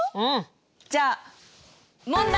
じゃあ問題！